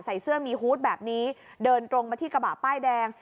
ใส่เสื้อมีฮูตแบบนี้เดินตรงมาที่กระบะป้ายแดง